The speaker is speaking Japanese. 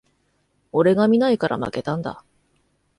俺が見ないから負けたんだ